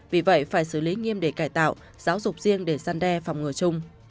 vì vậy phải xử lý nghiêm đề cải tạo giáo dục riêng để săn đe phòng ngừa chung